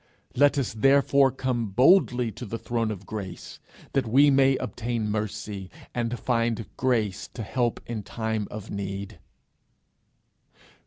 'Let us therefore come boldly to the throne of grace, that we may obtain mercy, and find grace to help in time of need.'